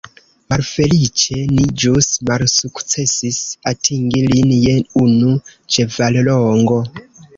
Malfeliĉe ni ĵus malsukcesis atingi lin je unu ĉevallongo.